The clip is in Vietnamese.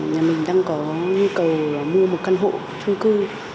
nhà mình đang có nhu cầu mua một căn hộ trung cư